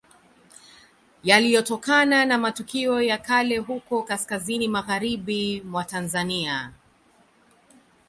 Yaliyotokana na matukio ya kale huko kaskazini magharibi mwa Tanzania